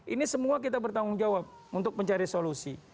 ini semua kita bertanggung jawab untuk mencari solusi